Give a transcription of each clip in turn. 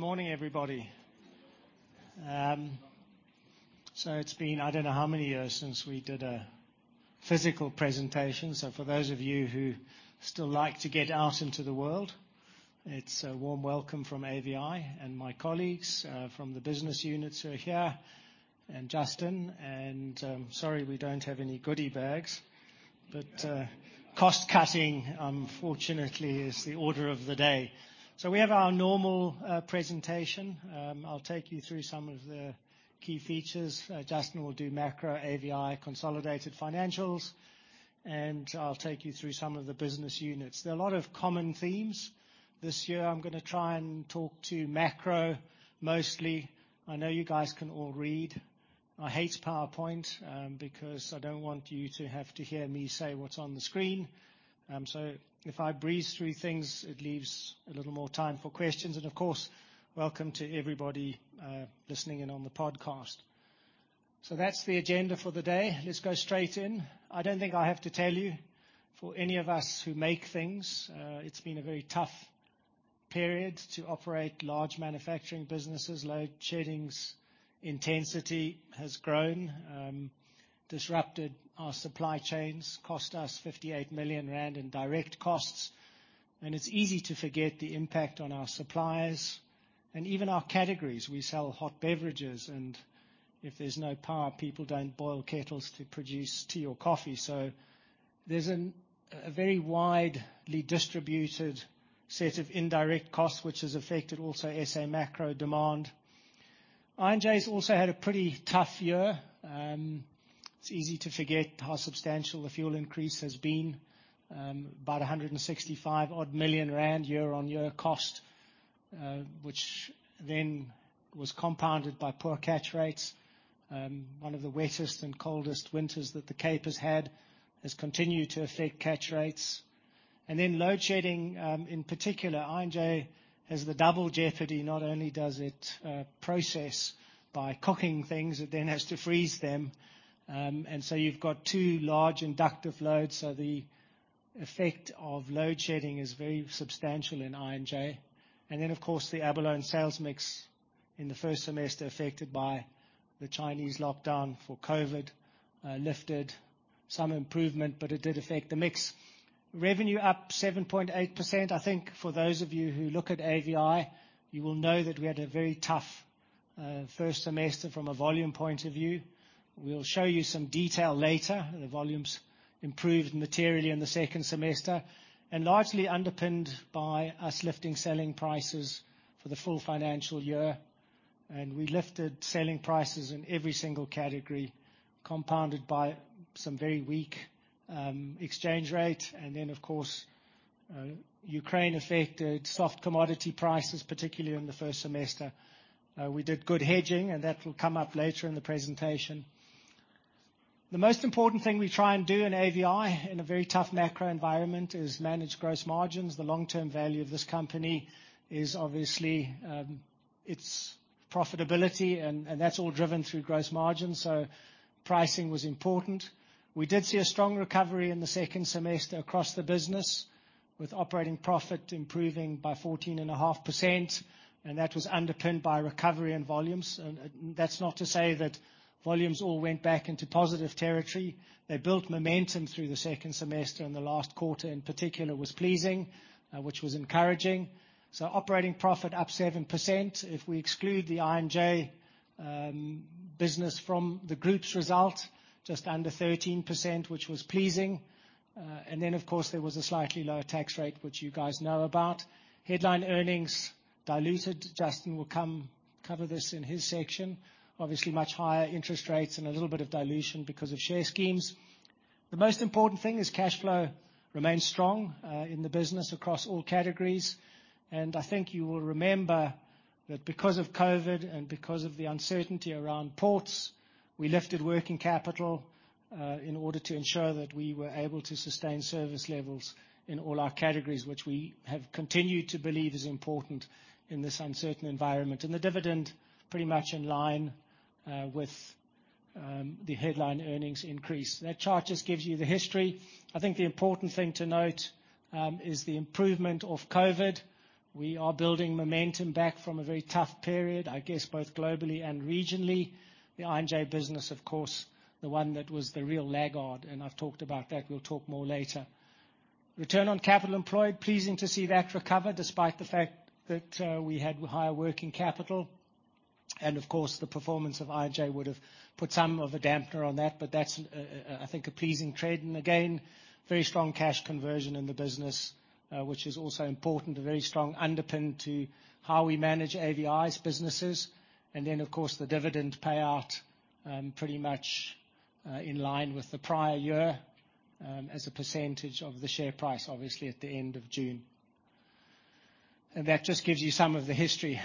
Good morning, everybody. So it's been, I don't know how many years since we did a physical presentation. So for those of you who still like to get out into the world, it's a warm welcome from AVI and my colleagues from the business units who are here, and Justin. And, sorry, we don't have any goodie bags, but, cost cutting, unfortunately, is the order of the day. So we have our normal presentation. I'll take you through some of the key features. Justin will do macro AVI consolidated financials, and I'll take you through some of the business units. There are a lot of common themes. This year, I'm gonna try and talk to macro, mostly. I know you guys can all read. I hate PowerPoint, because I don't want you to have to hear me say what's on the screen. So if I breeze through things, it leaves a little more time for questions. And of course, welcome to everybody listening in on the podcast. So that's the agenda for the day. Let's go straight in. I don't think I have to tell you, for any of us who make things, it's been a very tough period to operate large manufacturing businesses. Load shedding's intensity has grown, disrupted our supply chains, cost us 58 million rand in direct costs, and it's easy to forget the impact on our suppliers and even our categories. We sell hot beverages, and if there's no power, people don't boil kettles to produce tea or coffee. So there's a very widely distributed set of indirect costs, which has affected also SA macro demand. I&J's also had a pretty tough year. It's easy to forget how substantial the fuel increase has been, about 165 million rand year-on-year cost, which then was compounded by poor catch rates. One of the wettest and coldest winters that the Cape has had has continued to affect catch rates. And then load shedding, in particular, I&J has the double jeopardy. Not only does it process by cooking things, it then has to freeze them. And so you've got two large inductive loads, so the effect of load shedding is very substantial in I&J. And then, of course, the abalone sales mix in the first semester affected by the Chinese lockdown for COVID lifted some improvement, but it did affect the mix. Revenue up 7.8%. I think for those of you who look at AVI, you will know that we had a very tough first semester from a volume point of view. We'll show you some detail later. The volumes improved materially in the second semester, and largely underpinned by us lifting selling prices for the full financial year. And we lifted selling prices in every single category, compounded by some very weak exchange rate. And then, of course, Ukraine affected soft commodity prices, particularly in the first semester. We did good hedging, and that will come up later in the presentation. The most important thing we try and do in AVI, in a very tough macro environment, is manage gross margins. The long-term value of this company is obviously its profitability, and that's all driven through gross margins, so pricing was important. We did see a strong recovery in the second semester across the business, with operating profit improving by 14.5%, and that was underpinned by recovery and volumes. And that's not to say that volumes all went back into positive territory. They built momentum through the second semester, and the last quarter in particular was pleasing, which was encouraging. So operating profit up 7%. If we exclude the I&J business from the group's result, just under 13%, which was pleasing. And then, of course, there was a slightly lower tax rate, which you guys know about. Headline earnings diluted. Justin will come cover this in his section. Obviously, much higher interest rates and a little bit of dilution because of share schemes. The most important thing is cash flow remains strong in the business across all categories. I think you will remember that because of COVID and because of the uncertainty around ports, we lifted working capital in order to ensure that we were able to sustain service levels in all our categories, which we have continued to believe is important in this uncertain environment. The dividend pretty much in line with the headline earnings increase. That chart just gives you the history. I think the important thing to note is the improvement of COVID. We are building momentum back from a very tough period, I guess, both globally and regionally. The I&J business, of course, the one that was the real laggard, and I've talked about that, we'll talk more later. Return on capital employed, pleasing to see that recover, despite the fact that we had higher working capital. Of course, the performance of I&J would have put some of a dampener on that, but that's, I think, a pleasing trend. And again, very strong cash conversion in the business, which is also important, a very strong underpin to how we manage AVI's businesses. And then, of course, the dividend payout, pretty much, in line with the prior year, as a percentage of the share price, obviously, at the end of June. And that just gives you some of the history.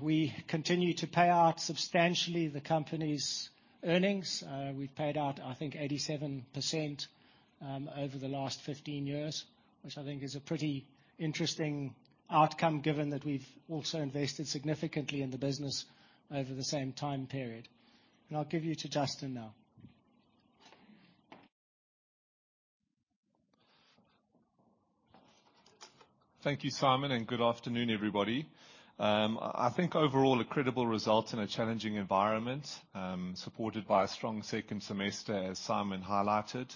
We continue to pay out substantially the company's earnings. We've paid out, I think, 87%, over the last 15 years, which I think is a pretty interesting outcome, given that we've also invested significantly in the business over the same time period. And I'll give you to Justin now. Thank you, Simon, and good afternoon, everybody. I think overall, a credible result in a challenging environment, supported by a strong second semester, as Simon highlighted.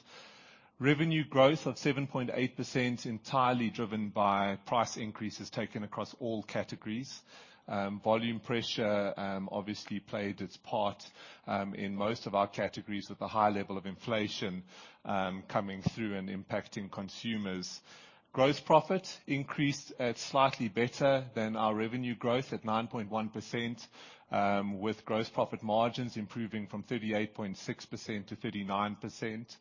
Revenue growth of 7.8%, entirely driven by price increases taken across all categories. Volume pressure obviously played its part in most of our categories, with a high level of inflation coming through and impacting consumers. Gross profit increased at slightly better than our revenue growth, at 9.1%, with gross profit margins improving from 38.6% to 39%.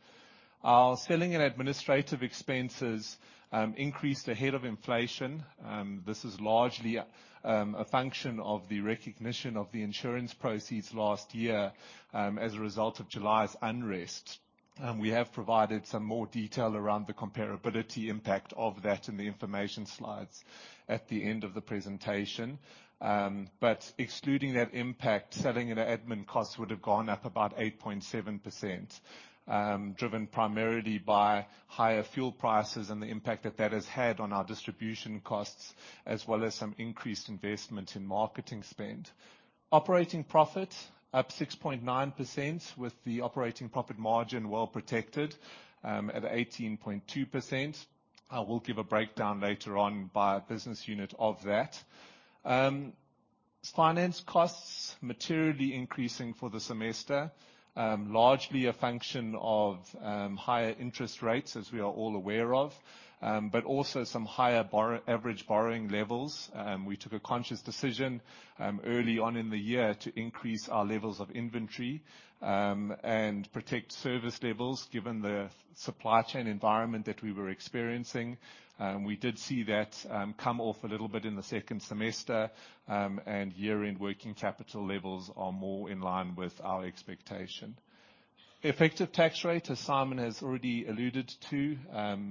Our selling and administrative expenses increased ahead of inflation. This is largely a function of the recognition of the insurance proceeds last year, as a result of July's unrest. We have provided some more detail around the comparability impact of that in the information slides at the end of the presentation. But excluding that impact, selling and admin costs would have gone up about 8.7%, driven primarily by higher fuel prices and the impact that that has had on our distribution costs, as well as some increased investment in marketing spend. Operating profit up 6.9%, with the operating profit margin well protected, at 18.2%. I will give a breakdown later on by business unit of that. Finance costs materially increasing for the semester, largely a function of, higher interest rates, as we are all aware of, but also some higher average borrowing levels. We took a conscious decision early on in the year to increase our levels of inventory and protect service levels, given the supply chain environment that we were experiencing. We did see that come off a little bit in the second semester and year-end working capital levels are more in line with our expectation. Effective tax rate, as Simon has already alluded to,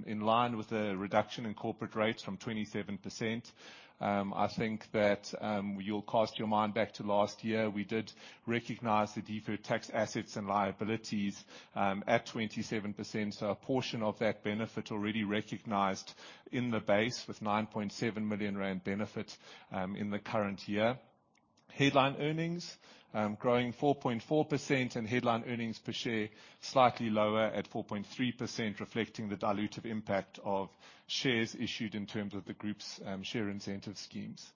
in line with a reduction in corporate rates from 27%. I think that you'll cast your mind back to last year, we did recognize the deferred tax assets and liabilities at 27%, so a portion of that benefit already recognized in the base, with 9.7 million rand benefit in the current year. Headline earnings growing 4.4%, and headline earnings per share slightly lower at 4.3%, reflecting the dilutive impact of shares issued in terms of the group's share incentive schemes.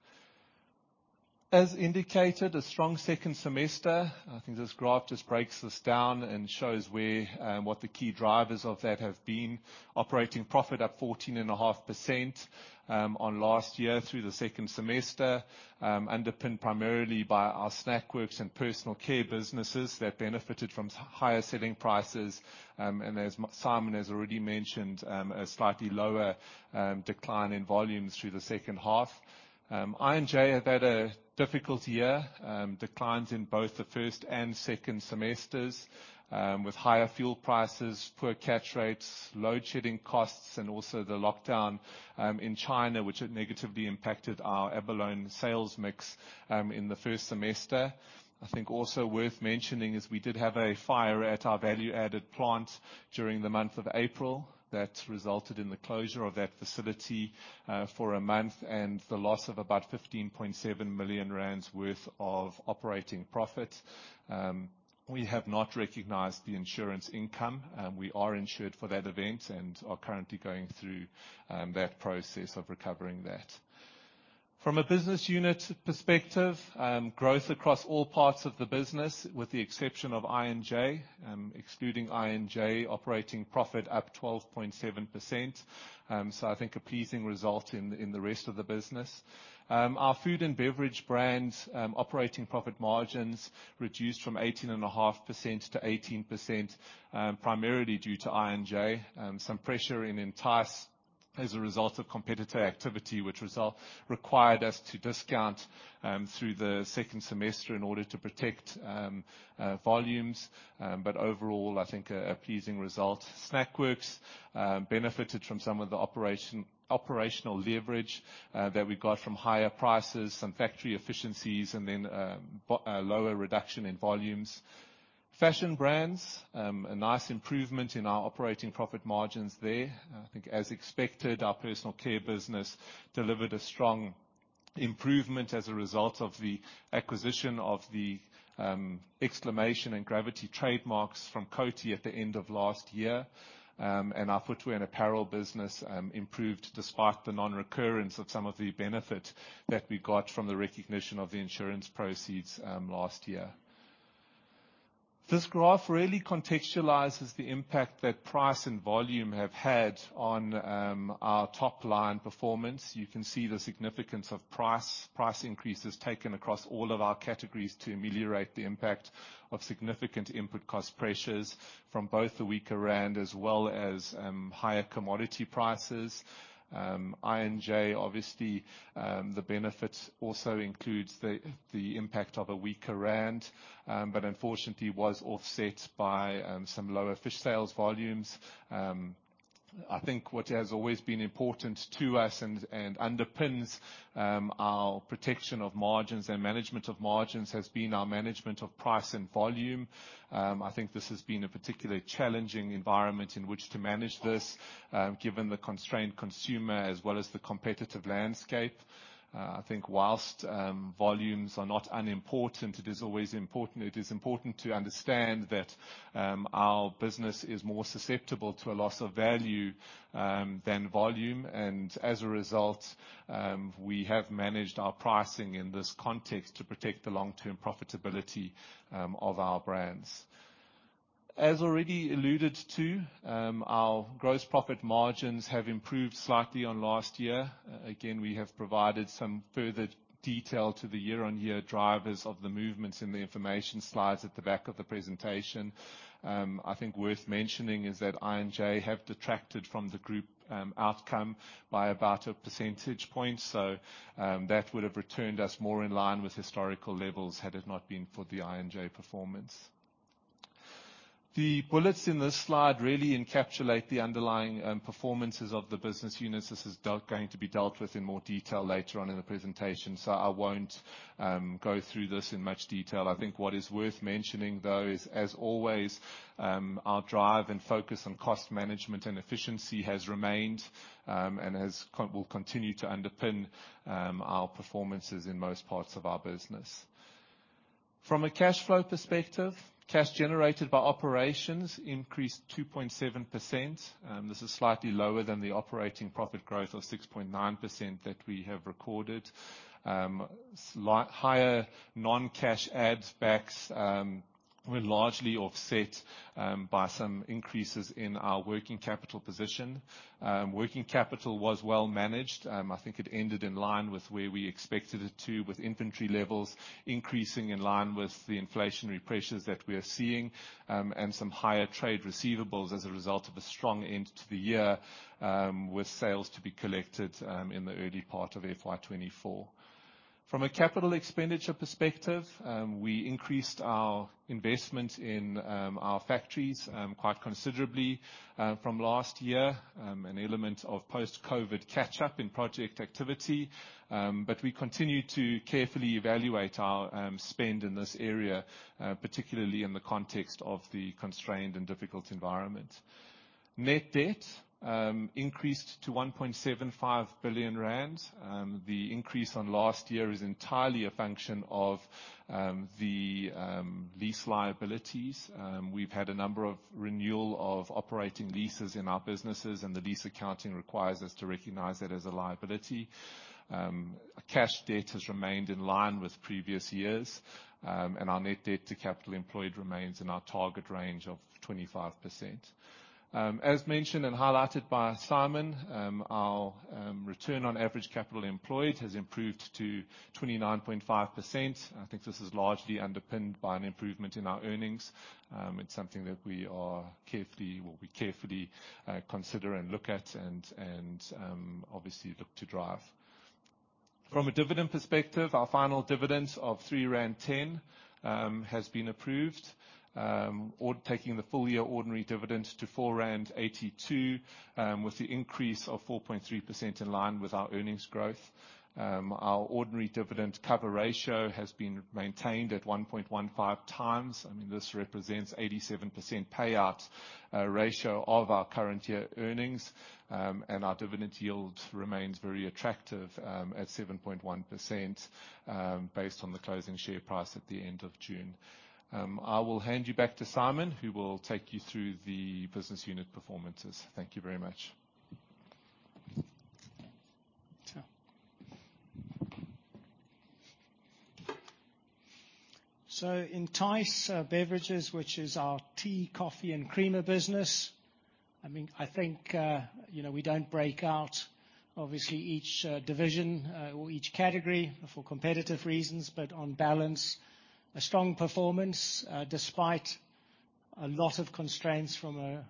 As indicated, a strong second semester. I think this graph just breaks this down and shows where what the key drivers of that have been. Operating profit up 14.5% on last year through the second semester, underpinned primarily by our Snackworks and Personal Care businesses that benefited from higher selling prices, and as Simon has already mentioned, a slightly lower decline in volumes through the second half. I&J have had a difficult year. Declines in both the first and second semesters, with higher fuel prices, poor catch rates, load shedding costs, and also the lockdown in China, which have negatively impacted our abalone sales mix in the first semester. I think also worth mentioning is we did have a fire at our value-added plant during the month of April that resulted in the closure of that facility for a month, and the loss of about 15.7 million rand worth of operating profit. We have not recognized the insurance income. We are insured for that event and are currently going through that process of recovering that. From a business unit perspective, growth across all parts of the business, with the exception of I&J. Excluding I&J, operating profit up 12.7%, so I think a pleasing result in the rest of the business. Our food and beverage brands, operating profit margins reduced from 18.5% to 18%, primarily due to I&J. Some pressure in Entyce as a result of competitor activity, which required us to discount through the second semester in order to protect volumes. But overall, I think a pleasing result. Snackworks benefited from some of the operational leverage that we got from higher prices and factory efficiencies, and then lower reduction in volumes. Fashion brands, a nice improvement in our operating profit margins there. I think, as expected, our Personal Care business delivered a strong improvement as a result of the acquisition of the Exclamation and Gravity trademarks from Coty at the end of last year. And our footwear and apparel business improved, despite the non-recurrence of some of the benefit that we got from the recognition of the insurance proceeds last year. This graph really contextualizes the impact that price and volume have had on our top line performance. You can see the significance of price. Price increases taken across all of our categories to ameliorate the impact of significant input cost pressures from both the weaker rand as well as higher commodity prices. I&J, obviously, the benefit also includes the impact of a weaker rand, but unfortunately, was offset by some lower fish sales volumes... I think what has always been important to us and underpins our protection of margins and management of margins has been our management of price and volume. I think this has been a particularly challenging environment in which to manage this given the constrained consumer as well as the competitive landscape. I think whilst volumes are not unimportant, it is important to understand that our business is more susceptible to a loss of value than volume, and as a result we have managed our pricing in this context to protect the long-term profitability of our brands. As already alluded to, our gross profit margins have improved slightly on last year. Again, we have provided some further detail to the year-on-year drivers of the movements in the information slides at the back of the presentation. I think worth mentioning is that I&J have detracted from the group outcome by about a percentage point, so that would have returned us more in line with historical levels had it not been for the I&J performance. The bullets in this slide really encapsulate the underlying performances of the business units. This is going to be dealt with in more detail later on in the presentation, so I won't go through this in much detail. I think what is worth mentioning, though, is, as always, our drive and focus on cost management and efficiency has remained, and has continued to will continue to underpin our performances in most parts of our business. From a cash flow perspective, cash generated by operations increased 2.7%, this is slightly lower than the operating profit growth of 6.9% that we have recorded. Slightly higher non-cash add-backs were largely offset by some increases in our working capital position. Working capital was well managed. I think it ended in line with where we expected it to, with inventory levels increasing in line with the inflationary pressures that we are seeing, and some higher trade receivables as a result of a strong end to the year, with sales to be collected in the early part of FY 2024. From a capital expenditure perspective, we increased our investment in our factories quite considerably from last year, an element of post-COVID catch-up in project activity, but we continue to carefully evaluate our spend in this area, particularly in the context of the constrained and difficult environment. Net debt increased to 1.75 billion rand. The increase on last year is entirely a function of the lease liabilities. We've had a number of renewal of operating leases in our businesses, and the lease accounting requires us to recognize it as a liability. Cash debt has remained in line with previous years, and our net debt to capital employed remains in our target range of 25%. As mentioned and highlighted by Simon, our return on average capital employed has improved to 29.5%. I think this is largely underpinned by an improvement in our earnings. It's something that we will carefully consider and look at and obviously look to drive. From a dividend perspective, our final dividend of 3.10 rand has been approved, taking the full year ordinary dividend to 4.82 rand, with the increase of 4.3% in line with our earnings growth. Our ordinary dividend cover ratio has been maintained at 1.15 times, and this represents 87% payout ratio of our current year earnings. Our dividend yield remains very attractive, at 7.1%, based on the closing share price at the end of June. I will hand you back to Simon, who will take you through the business unit performances. Thank you very much. So Entyce Beverages, which is our tea, coffee, and creamer business, I mean, I think, you know, we don't break out, obviously, each, division, or each category for competitive reasons, but on balance, a strong performance, despite a lot of constraints from a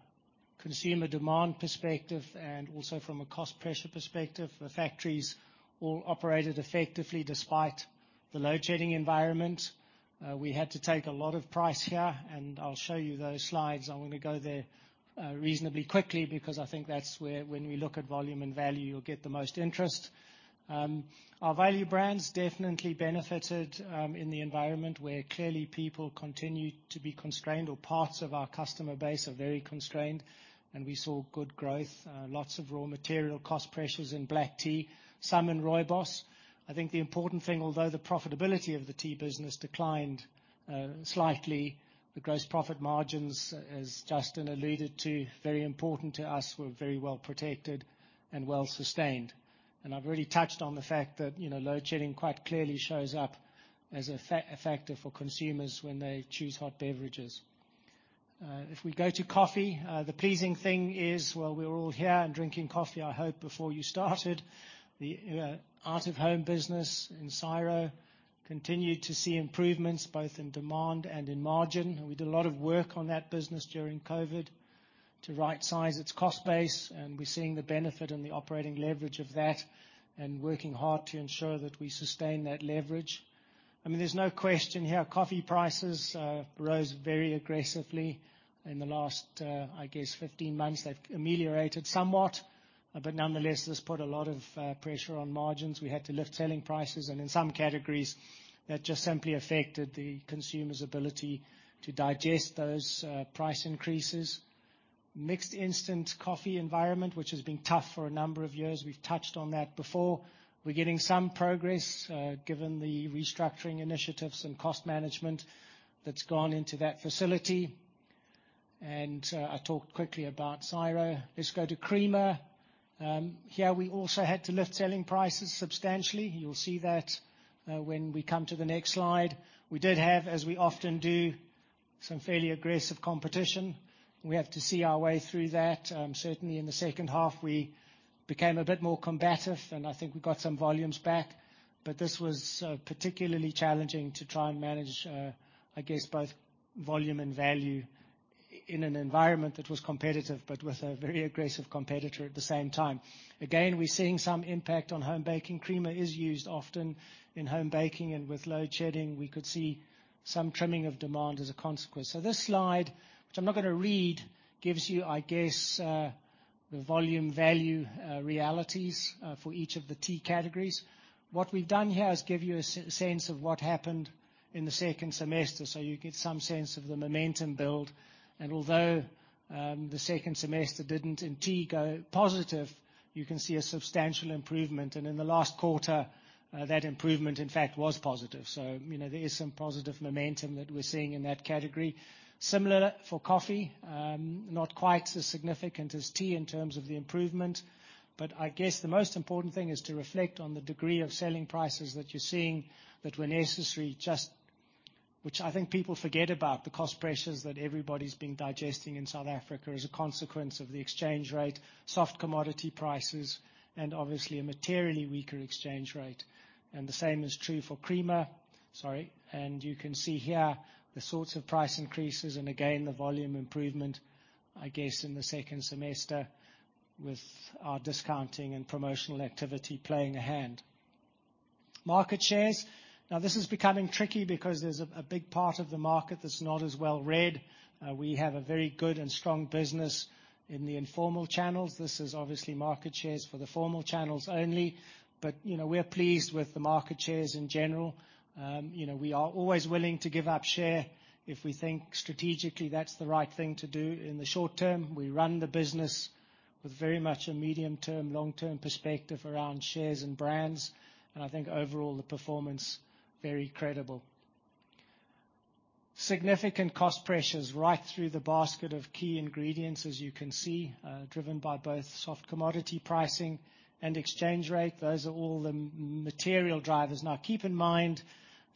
consumer demand perspective and also from a cost pressure perspective. The factories all operated effectively, despite the load shedding environment. We had to take a lot of price here, and I'll show you those slides. I'm gonna go there, reasonably quickly, because I think that's where, when we look at volume and value, you'll get the most interest. Our value brands definitely benefited, in the environment where, clearly, people continued to be constrained, or parts of our customer base are very constrained, and we saw good growth. Lots of raw material cost pressures in black tea, some in rooibos. I think the important thing, although the profitability of the tea business declined slightly, the gross profit margins, as Justin alluded to, very important to us, were very well protected and well sustained. And I've already touched on the fact that, you know, load shedding quite clearly shows up as a factor for consumers when they choose hot beverages. If we go to coffee, the pleasing thing is, well, we're all here and drinking coffee, I hope, before you started. The out-of-home business in Ciro continued to see improvements both in demand and in margin. We did a lot of work on that business during COVID to rightsize its cost base, and we're seeing the benefit and the operating leverage of that and working hard to ensure that we sustain that leverage. I mean, there's no question here. Coffee prices rose very aggressively in the last, I guess, 15 months. They've ameliorated somewhat, but nonetheless, this put a lot of pressure on margins. We had to lift selling prices, and in some categories, that just simply affected the consumer's ability to digest those price increases. Mixed instant coffee environment, which has been tough for a number of years, we've touched on that before. We're getting some progress given the restructuring initiatives and cost management that's gone into that facility. And I talked quickly about Ciro. Let's go to creamer. Here, we also had to lift selling prices substantially. You'll see that, when we come to the next slide. We did have, as we often do, some fairly aggressive competition. We have to see our way through that. Certainly, in the second half, we became a bit more combative, and I think we got some volumes back. But this was, particularly challenging to try and manage, I guess, both volume and value in an environment that was competitive, but with a very aggressive competitor at the same time. Again, we're seeing some impact on home baking. Creamer is used often in home baking, and with load shedding, we could see some trimming of demand as a consequence. So this slide, which I'm not gonna read, gives you, I guess, the volume, value, realities, for each of the tea categories. What we've done here is give you a sense of what happened in the second semester, so you get some sense of the momentum build. And although the second semester didn't in tea go positive, you can see a substantial improvement, and in the last quarter, that improvement, in fact, was positive. So, you know, there is some positive momentum that we're seeing in that category. Similar for coffee, not quite as significant as tea in terms of the improvement, but I guess the most important thing is to reflect on the degree of selling prices that you're seeing that were necessary, just... Which I think people forget about, the cost pressures that everybody's been digesting in South Africa as a consequence of the exchange rate, soft commodity prices, and obviously, a materially weaker exchange rate. And the same is true for creamer. Sorry, and you can see here the sorts of price increases, and again, the volume improvement, I guess, in the second semester, with our discounting and promotional activity playing a hand. Market shares, now this is becoming tricky because there's a big part of the market that's not as well read. We have a very good and strong business in the informal channels. This is obviously market shares for the formal channels only. But, you know, we are pleased with the market shares in general. You know, we are always willing to give up share if we think strategically that's the right thing to do in the short term. We run the business with very much a medium-term, long-term perspective around shares and brands, and I think overall, the performance, very credible. Significant cost pressures right through the basket of key ingredients, as you can see, driven by both soft commodity pricing and exchange rate. Those are all the material drivers. Now, keep in mind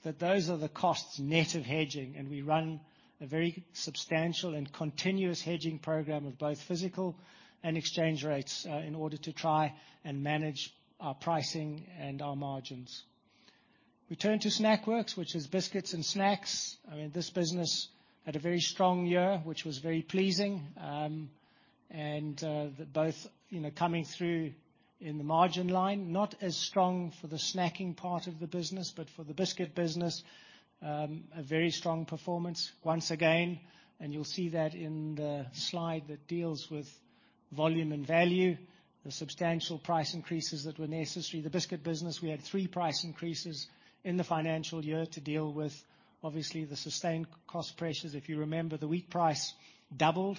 that those are the costs net of hedging, and we run a very substantial and continuous hedging program of both physical and exchange rates, in order to try and manage our pricing and our margins. We turn to Snackworks, which is biscuits and snacks. I mean, this business had a very strong year, which was very pleasing, and the both, you know, coming through in the margin line, not as strong for the snacking part of the business, but for the biscuit business, a very strong performance once again, and you'll see that in the slide that deals with volume and value, the substantial price increases that were necessary. The biscuit business, we had three price increases in the financial year to deal with, obviously, the sustained cost pressures. If you remember, the wheat price doubled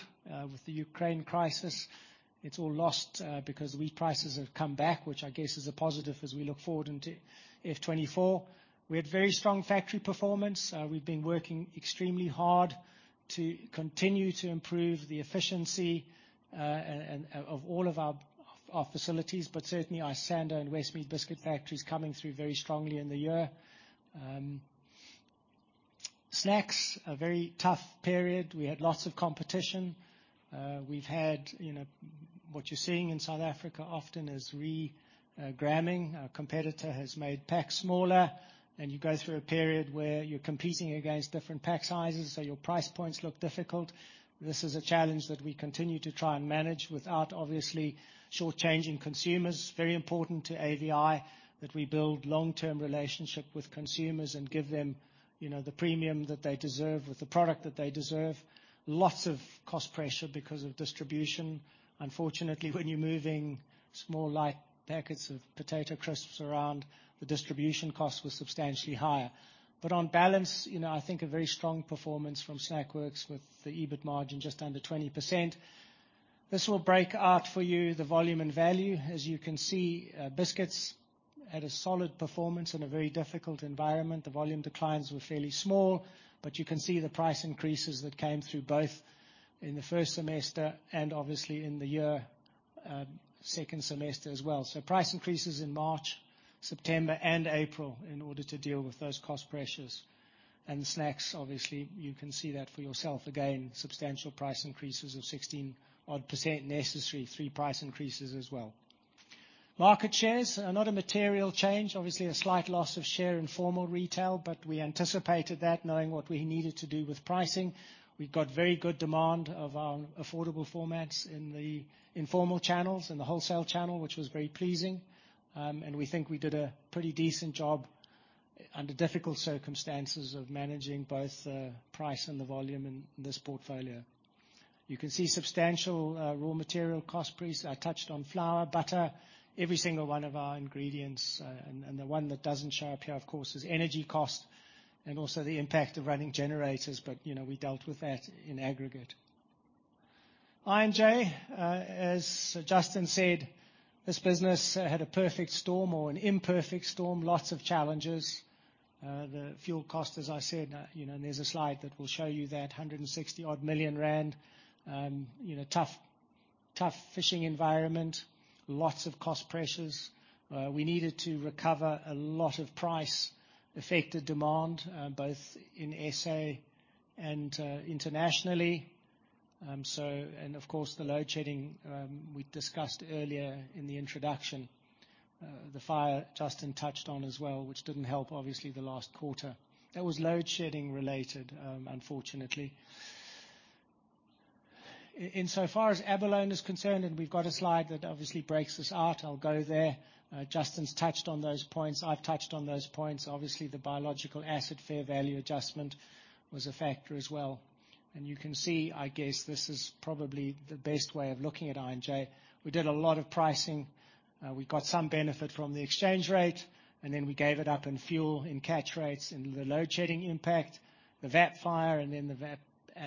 with the Ukraine crisis. It's all lost because the wheat prices have come back, which I guess is a positive as we look forward into F24. We had very strong factory performance. We've been working extremely hard to continue to improve the efficiency and of all of our facilities, but certainly our Isando and Westmead biscuit factories coming through very strongly in the year. Snacks, a very tough period. We had lots of competition. We've had, you know, what you're seeing in South Africa often is regramming. Our competitor has made packs smaller, and you go through a period where you're competing against different pack sizes, so your price points look difficult. This is a challenge that we continue to try and manage without obviously short-changing consumers. Very important to AVI that we build long-term relationship with consumers and give them, you know, the premium that they deserve with the product that they deserve. Lots of cost pressure because of distribution. Unfortunately, when you're moving small, light packets of potato crisps around, the distribution cost was substantially higher. But on balance, you know, I think a very strong performance from Snackworks with the EBIT margin just under 20%. This will break out for you the volume and value. As you can see, biscuits had a solid performance in a very difficult environment. The volume declines were fairly small, but you can see the price increases that came through both in the first semester and obviously in the year, second semester as well. So price increases in March, September, and April in order to deal with those cost pressures. And snacks, obviously, you can see that for yourself. Again, substantial price increases of 16-odd% necessary, three price increases as well. Market shares are not a material change. Obviously, a slight loss of share in formal retail, but we anticipated that, knowing what we needed to do with pricing. We got very good demand of our affordable formats in the informal channels and the wholesale channel, which was very pleasing, and we think we did a pretty decent job under difficult circumstances of managing both, price and the volume in this portfolio. You can see substantial raw material cost increase. I touched on flour, butter, every single one of our ingredients, and the one that doesn't show up here, of course, is energy cost and also the impact of running generators, but, you know, we dealt with that in aggregate. I&J, as Justin said, this business had a perfect storm or an imperfect storm, lots of challenges. The fuel cost, as I said, you know, and there's a slide that will show you that 160-odd million rand. You know, tough, tough fishing environment, lots of cost pressures. We needed to recover a lot of price-affected demand, both in SA and internationally. And, of course, the load shedding we discussed earlier in the introduction. The fire, Justin touched on as well, which didn't help, obviously, the last quarter. That was load shedding related, unfortunately. Insofar as abalone is concerned, and we've got a slide that obviously breaks this out, I'll go there. Justin's touched on those points. I've touched on those points. Obviously, the biological asset fair value adjustment was a factor as well. And you can see, I guess, this is probably the best way of looking at I&J. We did a lot of pricing. We got some benefit from the exchange rate, and then we gave it up in fuel, in catch rates, and the load shedding impact, the VAP fire, and then the VAP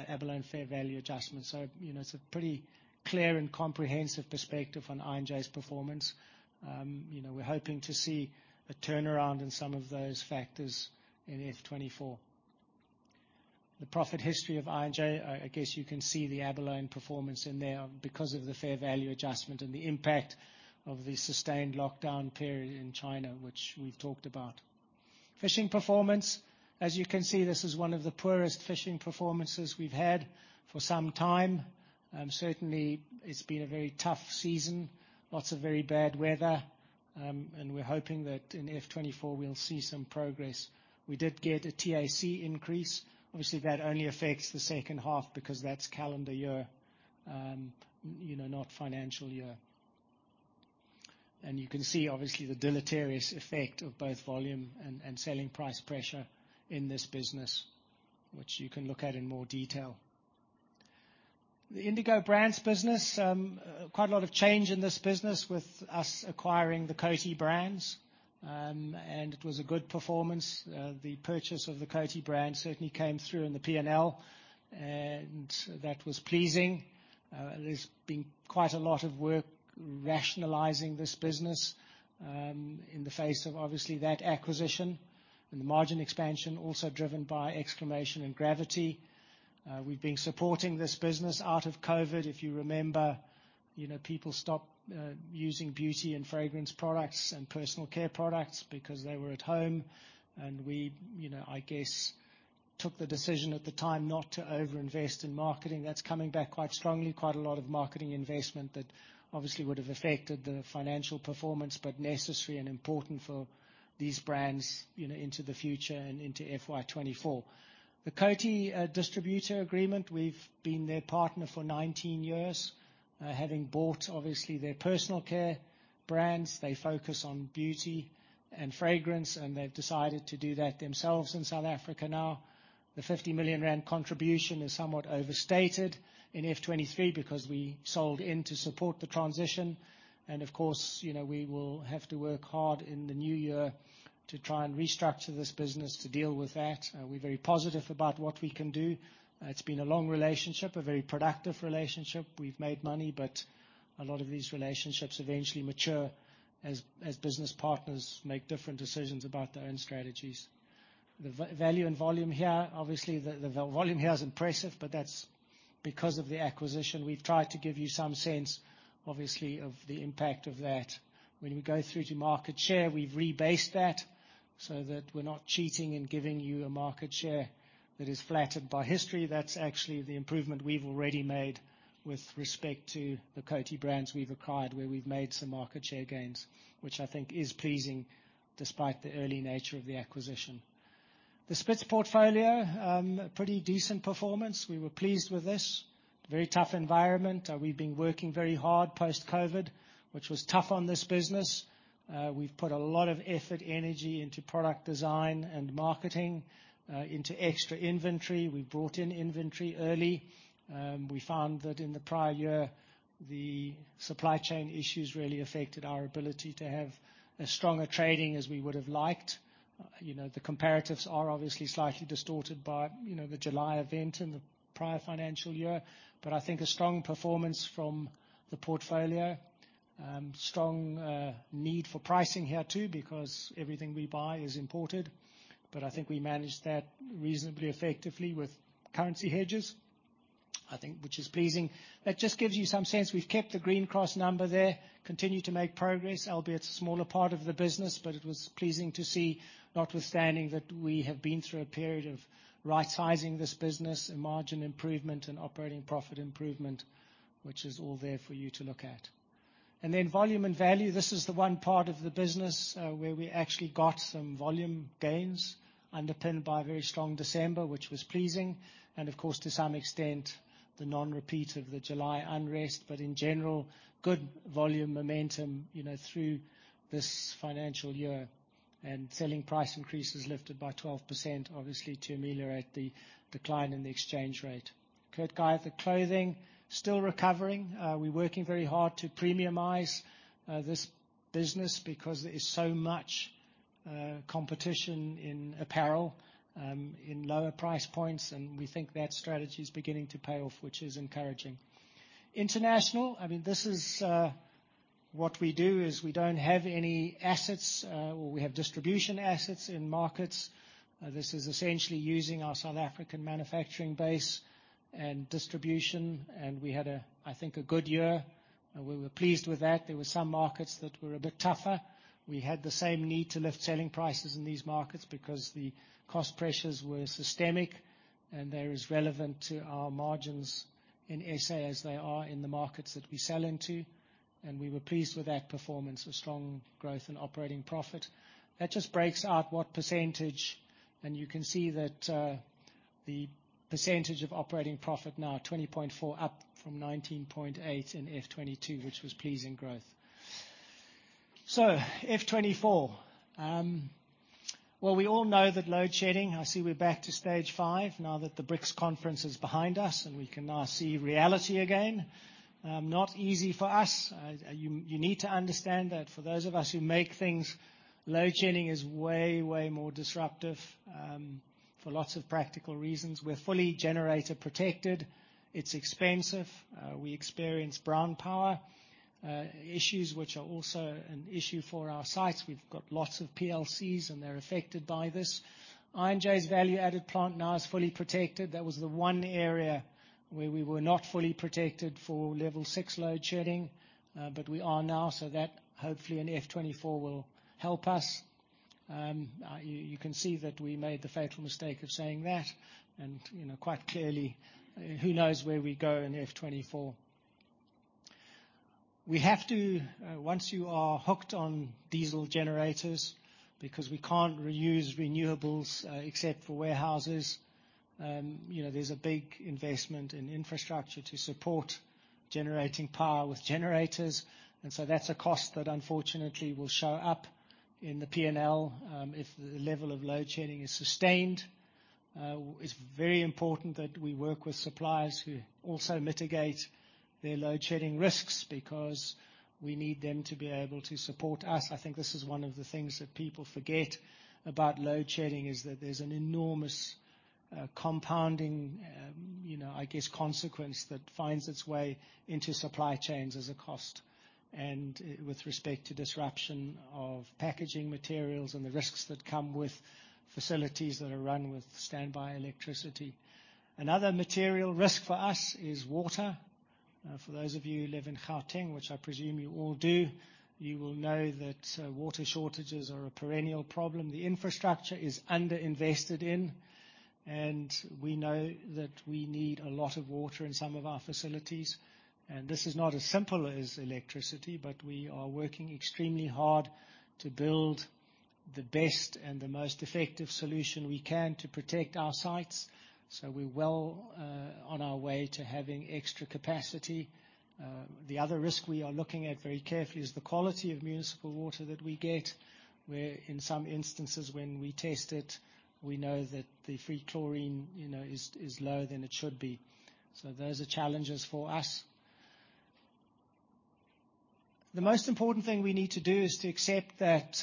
abalone fair value adjustment. So, you know, it's a pretty clear and comprehensive perspective on I&J's performance. You know, we're hoping to see a turnaround in some of those factors in F24. The profit history of I&J, I guess you can see the abalone performance in there because of the fair value adjustment and the impact of the sustained lockdown period in China, which we've talked about. Fishing performance, as you can see, this is one of the poorest fishing performances we've had for some time. Certainly, it's been a very tough season, lots of very bad weather, and we're hoping that in F24, we'll see some progress. We did get a TAC increase. Obviously, that only affects the second half because that's calendar year, you know, not financial year. You can see, obviously, the deleterious effect of both volume and selling price pressure in this business, which you can look at in more detail. The Indigo Brands business, quite a lot of change in this business with us acquiring the Coty brands. It was a good performance. The purchase of the Coty brand certainly came through in the P&L, and that was pleasing. There's been quite a lot of work rationalizing this business, in the face of, obviously, that acquisition, and the margin expansion also driven by Exclamation and Gravity. We've been supporting this business out of COVID. If you remember, you know, people stopped using beauty and fragrance products and personal care products because they were at home, and we, you know, I guess, took the decision at the time not to overinvest in marketing. That's coming back quite strongly, quite a lot of marketing investment that obviously would have affected the financial performance, but necessary and important for these brands, you know, into the future and into FY 2024. The Coty distributor agreement, we've been their partner for 19 years, having bought, obviously, their personal care brands. They focus on beauty and fragrance, and they've decided to do that themselves in South Africa now. The 50 million rand contribution is somewhat overstated in FY 2023 because we sold in to support the transition. And of course, you know, we will have to work hard in the new year to try and restructure this business to deal with that. We're very positive about what we can do. It's been a long relationship, a very productive relationship. We've made money, but a lot of these relationships eventually mature as business partners make different decisions about their own strategies. The value and volume here, obviously, the volume here is impressive, but that's because of the acquisition. We've tried to give you some sense, obviously, of the impact of that. When we go through to market share, we've rebased that so that we're not cheating and giving you a market share that is flattered by history. That's actually the improvement we've already made with respect to the Coty brands we've acquired, where we've made some market share gains, which I think is pleasing despite the early nature of the acquisition. The Spitz portfolio, a pretty decent performance. We were pleased with this. Very tough environment. We've been working very hard post-COVID, which was tough on this business. We've put a lot of effort, energy into product design and marketing, into extra inventory. We brought in inventory early. We found that in the prior year, the supply chain issues really affected our ability to have as strong a trading as we would have liked. You know, the comparatives are obviously slightly distorted by, you know, the July event in the prior financial year, but I think a strong performance from the portfolio. Strong need for pricing here, too, because everything we buy is imported, but I think we managed that reasonably effectively with currency hedges, I think, which is pleasing. That just gives you some sense. We've kept the Green Cross number there, continue to make progress, albeit it's a smaller part of the business, but it was pleasing to see, notwithstanding that we have been through a period of right-sizing this business and margin improvement and operating profit improvement, which is all there for you to look at. And then volume and value, this is the one part of the business, where we actually got some volume gains, underpinned by a very strong December, which was pleasing, and of course, to some extent, the non-repeat of the July unrest. But in general, good volume, momentum, you know, through this financial year, and selling price increases lifted by 12%, obviously to ameliorate the decline in the exchange rate. Kurt Geiger, the clothing, still recovering. We're working very hard to premiumize this business because there is so much competition in apparel in lower price points, and we think that strategy is beginning to pay off, which is encouraging. International, I mean, this is what we do, is we don't have any assets or we have distribution assets in markets. This is essentially using our South African manufacturing base and distribution, and we had a, I think, a good year, and we were pleased with that. There were some markets that were a bit tougher. We had the same need to lift selling prices in these markets because the cost pressures were systemic, and they as relevant to our margins in SA as they are in the markets that we sell into, and we were pleased with that performance of strong growth and operating profit. That just breaks out what percentage, and you can see that, the percentage of operating profit now, 20.4%, up from 19.8% in F22, which was pleasing growth. So F24. Well, we all know that load shedding. I see we're back to stage 5 now that the BRICS conference is behind us, and we can now see reality again. Not easy for us. You, you need to understand that for those of us who make things, load shedding is way, way more disruptive, for lots of practical reasons. We're fully generator protected. It's expensive. We experience brown power, issues, which are also an issue for our sites. We've got lots of PLCs, and they're affected by this. I&J's value-added plant now is fully protected. That was the one area where we were not fully protected for level six load shedding, but we are now, so that hopefully in F24 will help us. You can see that we made the fatal mistake of saying that, and, you know, quite clearly, who knows where we go in F24? We have to once you are hooked on diesel generators, because we can't reuse renewables, except for warehouses, you know, there's a big investment in infrastructure to support generating power with generators. And so that's a cost that, unfortunately, will show up in the P&L, if the level of load shedding is sustained. It's very important that we work with suppliers who also mitigate their load shedding risks because we need them to be able to support us. I think this is one of the things that people forget about load shedding, is that there's an enormous, compounding, you know, I guess, consequence that finds its way into supply chains as a cost, and, with respect to disruption of packaging materials and the risks that come with facilities that are run with standby electricity. Another material risk for us is water. For those of you who live in Gauteng, which I presume you all do, you will know that, water shortages are a perennial problem. The infrastructure is underinvested in, and we know that we need a lot of water in some of our facilities, and this is not as simple as electricity, but we are working extremely hard to build the best and the most effective solution we can to protect our sites. So we're well on our way to having extra capacity. The other risk we are looking at very carefully is the quality of municipal water that we get, where in some instances, when we test it, we know that the free chlorine, you know, is lower than it should be. So those are challenges for us. The most important thing we need to do is to accept that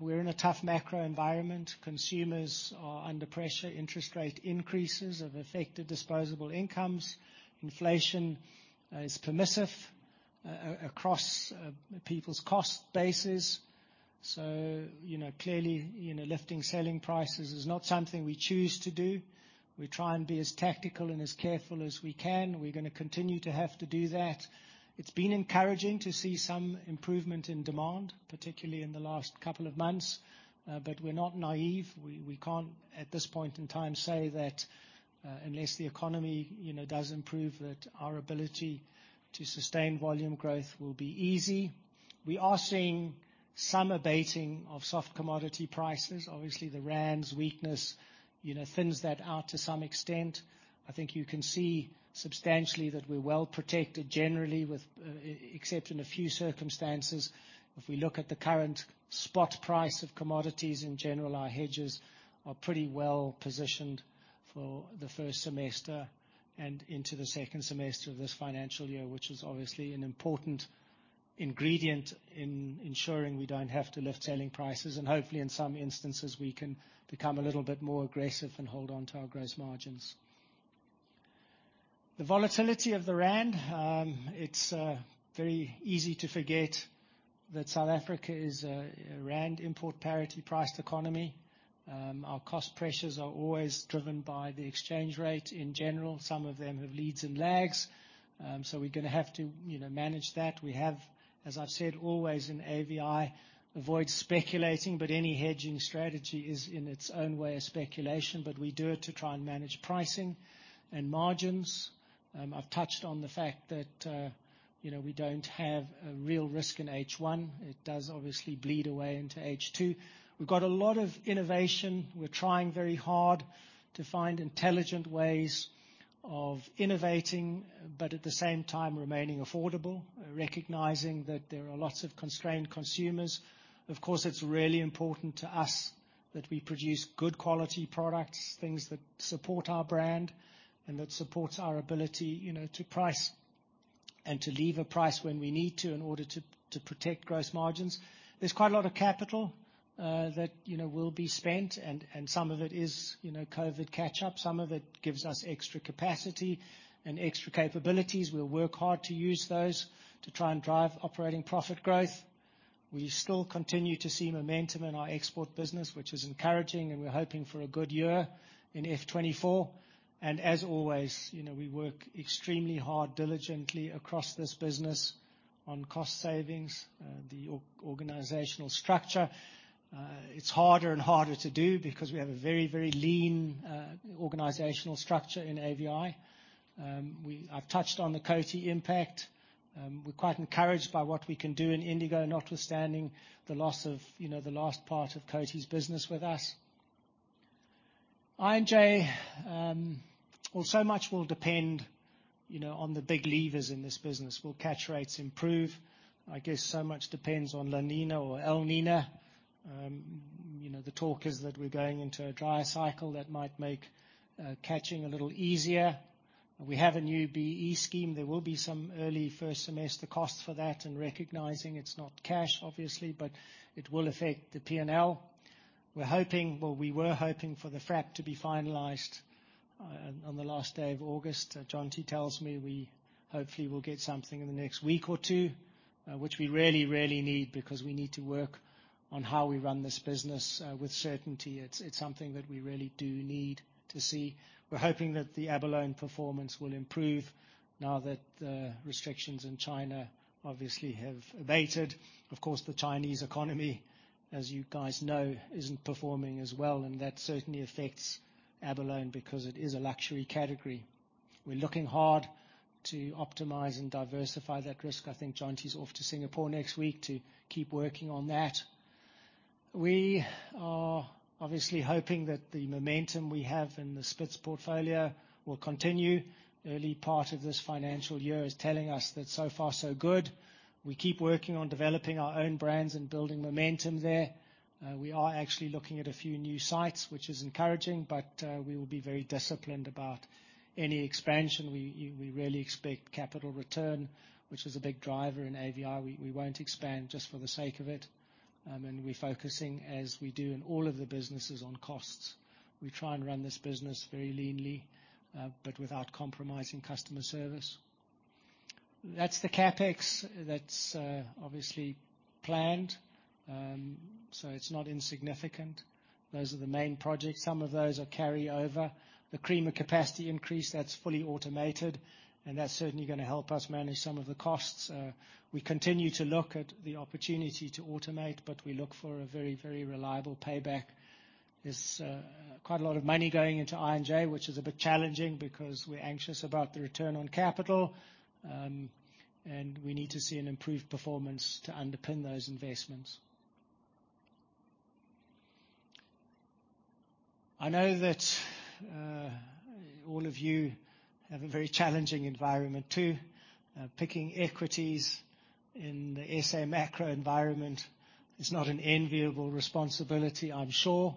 we're in a tough macro environment. Consumers are under pressure. Interest rate increases have affected disposable incomes. Inflation is permissive across people's cost bases. So, you know, clearly, you know, lifting selling prices is not something we choose to do. We try and be as tactical and as careful as we can. We're gonna continue to have to do that. It's been encouraging to see some improvement in demand, particularly in the last couple of months, but we're not naive. We, we can't, at this point in time, say that, unless the economy, you know, does improve, that our ability to sustain volume growth will be easy. We are seeing some abating of soft commodity prices. Obviously, the rand's weakness, you know, thins that out to some extent. I think you can see substantially that we're well protected generally, with, except in a few circumstances. If we look at the current spot price of commodities, in general, our hedges are pretty well positioned for the first semester and into the second semester of this financial year, which is obviously an important ingredient in ensuring we don't have to lift selling prices, and hopefully, in some instances, we can become a little bit more aggressive and hold on to our gross margins. The volatility of the rand, it's very easy to forget that South Africa is a rand import parity priced economy. Our cost pressures are always driven by the exchange rate in general. Some of them have leads and lags, so we're gonna have to, you know, manage that. We have, as I've said, always in AVI, avoid speculating, but any hedging strategy is, in its own way, a speculation, but we do it to try and manage pricing and margins. I've touched on the fact that, you know, we don't have a real risk in H1. It does obviously bleed away into H2. We've got a lot of innovation. We're trying very hard to find intelligent ways of innovating, but at the same time, remaining affordable, recognizing that there are lots of constrained consumers. Of course, it's really important to us that we produce good quality products, things that support our brand, and that supports our ability, you know, to price and to leave a price when we need to in order to, to protect gross margins. There's quite a lot of capital that, you know, will be spent, and some of it is, you know, COVID catch-up. Some of it gives us extra capacity and extra capabilities. We'll work hard to use those to try and drive operating profit growth. We still continue to see momentum in our export business, which is encouraging, and we're hoping for a good year in FY 2024. As always, you know, we work extremely hard, diligently across this business on cost savings, the organizational structure. It's harder and harder to do because we have a very, very lean organizational structure in AVI. I've touched on the Coty impact. We're quite encouraged by what we can do in Indigo, notwithstanding the loss of, you know, the last part of Coty's business with us. I&J, well, so much will depend, you know, on the big levers in this business. Will catch rates improve? I guess so much depends on La Niña or El Niño. You know, the talk is that we're going into a drier cycle that might make catching a little easier. We have a new B-BBEE scheme. There will be some early first semester costs for that, and recognizing it's not cash, obviously, but it will affect the P&L. We're hoping well, we were hoping for the FRAP to be finalized on the last day of August. Jonty tells me we hopefully will get something in the next week or two, which we really, really need because we need to work on how we run this business with certainty. It's something that we really do need to see. We're hoping that the abalone performance will improve now that the restrictions in China obviously have abated. Of course, the Chinese economy, as you guys know, isn't performing as well, and that certainly affects abalone because it is a luxury category. We're looking hard to optimize and diversify that risk. I think Jonty's off to Singapore next week to keep working on that. We are obviously hoping that the momentum we have in the Spitz portfolio will continue. Early part of this financial year is telling us that so far, so good. We keep working on developing our own brands and building momentum there. We are actually looking at a few new sites, which is encouraging, but we will be very disciplined about any expansion. We really expect capital return, which is a big driver in AVI. We won't expand just for the sake of it. And we're focusing, as we do in all of the businesses, on costs. We try and run this business very leanly, but without compromising customer service. That's the CapEx. That's, obviously planned, so it's not insignificant. Those are the main projects. Some of those are carryover. The creamer capacity increase, that's fully automated, and that's certainly gonna help us manage some of the costs. We continue to look at the opportunity to automate, but we look for a very, very reliable payback. There's, quite a lot of money going into I&J, which is a bit challenging because we're anxious about the return on capital, and we need to see an improved performance to underpin those investments. I know that, all of you have a very challenging environment, too. Picking equities in the SA macro environment is not an enviable responsibility, I'm sure.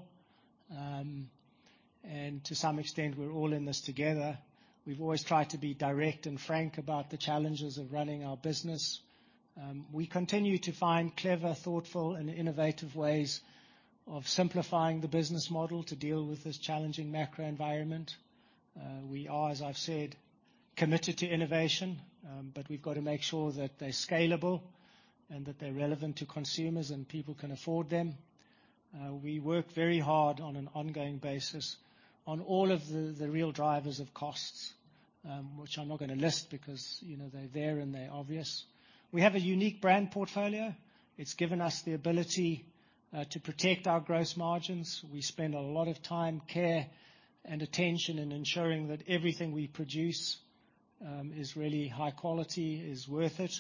To some extent, we're all in this together. We've always tried to be direct and frank about the challenges of running our business. We continue to find clever, thoughtful, and innovative ways of simplifying the business model to deal with this challenging macro environment. We are, as I've said, committed to innovation, but we've got to make sure that they're scalable and that they're relevant to consumers and people can afford them. We work very hard on an ongoing basis on all of the, the real drivers of costs, which I'm not gonna list because, you know, they're there, and they're obvious. We have a unique brand portfolio. It's given us the ability to protect our gross margins. We spend a lot of time, care, and attention in ensuring that everything we produce is really high quality, is worth it,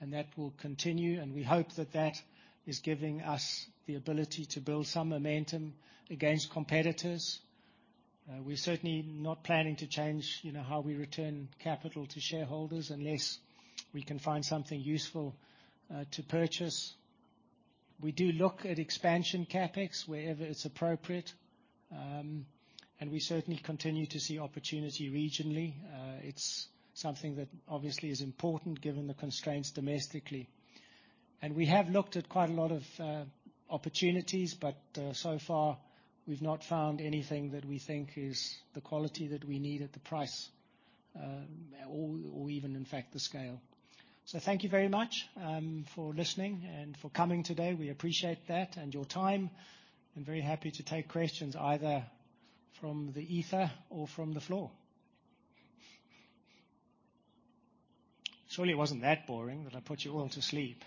and that will continue, and we hope that that is giving us the ability to build some momentum against competitors. We're certainly not planning to change, you know, how we return capital to shareholders unless we can find something useful to purchase. We do look at expansion CapEx wherever it's appropriate, and we certainly continue to see opportunity regionally. It's something that obviously is important, given the constraints domestically. And we have looked at quite a lot of opportunities, but so far, we've not found anything that we think is the quality that we need at the price, or, or even, in fact, the scale. So thank you very much for listening and for coming today. We appreciate that and your time, and very happy to take questions, either from the ether or from the floor. Surely it wasn't that boring that I put you all to sleep.